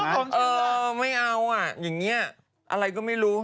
ไม่อ่ะไม่เอาอ่ะอย่างเงี้ยอะไรก็ไม่รู้